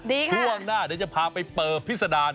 ดีค่ะช่วงหน้าเดี๋ยวจะพาไปเป่อพิศดาล